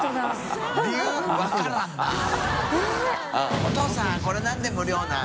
お父さんこれなんで無料なん？」